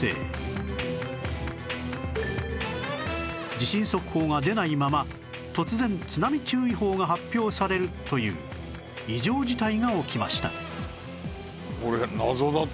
地震速報が出ないまま突然津波注意報が発表されるという異常事態が起きました